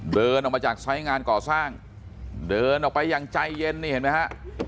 เดินออกมาจากไซส์งานก่อสร้างเดินออกไปอย่างใจเย็นนี่เห็นไหมฮะ